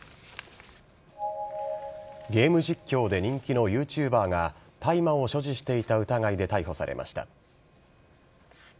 ゲーム実況で人気のＹｏｕＴｕｂｅｒが大麻を所持していた疑いで逮捕されました。